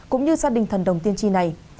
cũng như gia đình thần đồng tiên tri này